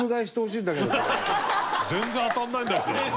全然当たんない。